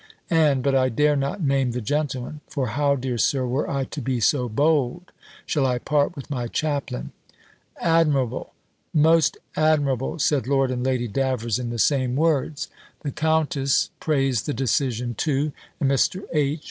And but I dare not name the gentleman: for how, dear Sir, were I to be so bold, shall I part with my chaplain?" "Admirable! most admirable!" said Lord and Lady Davers, in the same words. The countess praised the decision too; and Mr. H.